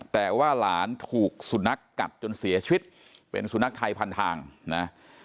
แต่ว่าหลานถูกสุนัขกัดจนเสียชีวิตเป็นสุนัขไทยพันทางนะ